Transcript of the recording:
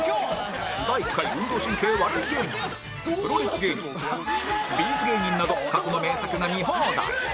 第１回運動神経悪い芸人プロレス芸人 Ｂ’ｚ 芸人など過去の名作が見放題